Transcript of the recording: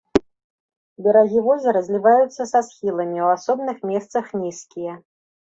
Берагі возера зліваюцца са схіламі, у асобных месцах нізкія.